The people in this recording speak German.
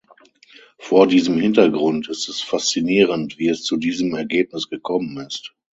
Vor diesem Hintergrund ist es faszinierend, wie es zu diesem Ergebnis gekommen ist.